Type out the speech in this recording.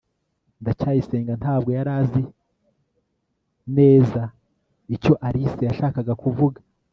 ndacyayisenga ntabwo yari azi neza icyo alice yashakaga kuvuga